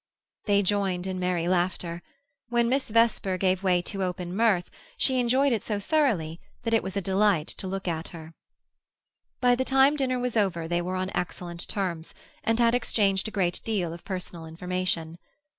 They joined in merry laughter. When Miss Vesper gave way to open mirth, she enjoyed it so thoroughly that it was a delight to look at her. By the time dinner was over they were on excellent terms, and had exchanged a great deal of personal information.